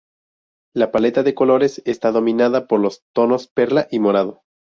La paleta de colores está dominada por los tonos perla y morado.